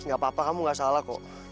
gak apa apa kamu gak salah kok